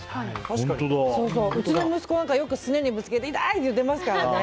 うちの息子なんかよくすねにぶつけて痛い！って言ってますからね。